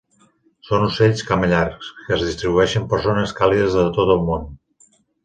Són ocells camallargs que es distribueixen per zones càlides de tot el Món.